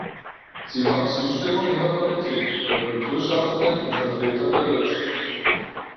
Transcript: Sie fand Zustimmung in der Politik, bei Kulturschaffenden und Vertretern der Wirtschaft.